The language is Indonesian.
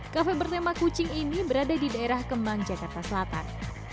kafe bertema kucing ini berada di daerah kemang jakarta selatan